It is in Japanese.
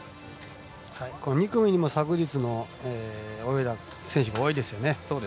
２組にも昨日泳いだ選手が多いですよね。